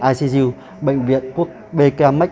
icu bệnh viện bkmx